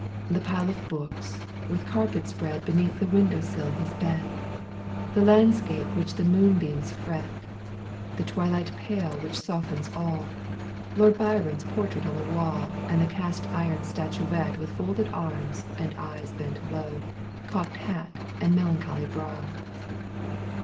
The pile of books, with carpet spread Beneath the window sill his bed, The landscape which the moonbeams fret, The twilight pale which softens all, U' Lord Byron's portrait on the wall And the cast iron statuette With folded arms and eyes bent low, Cocked hat and melancholy brow.